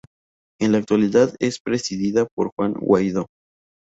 En la actualidad es presidida por Juan Guaidó.